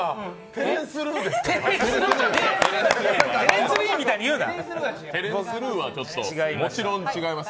テレンス・ルーはもちろん違います。